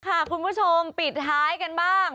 คุณผู้ชมปิดท้ายกันบ้าง